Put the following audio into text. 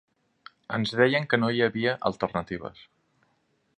Ens deien que no hi havia alternatives.